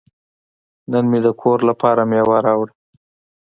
نن مې د کور لپاره میوه راوړه.